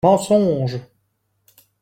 Mensonge